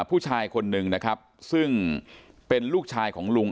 ผู้ชายคนหนึ่งนะครับซึ่งเป็นลูกชายของลุง